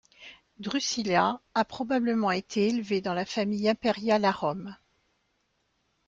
Drusilla a probablement été élevée dans la famille impériale à Rome.